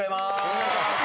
お願いします。